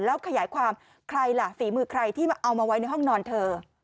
แล้วขยายความใครล่ะฝีมือใครที่มาเอามาไว้ในห้องนอนเธอ